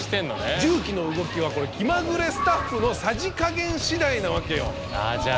重機の動きはこれ気まぐれスタッフのさじ加減しだいなわけよ。